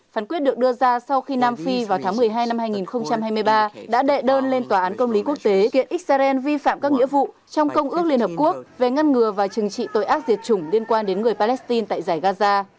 phán quyết được đưa ra sau khi nam phi vào tháng một mươi hai năm hai nghìn hai mươi ba đã đệ đơn lên tòa án công lý quốc tế kiện israel vi phạm các nghĩa vụ trong công ước liên hợp quốc về ngăn ngừa và chừng trị tội ác diệt chủng liên quan đến người palestine tại giải gaza